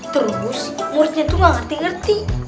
terus muridnya itu gak ngerti ngerti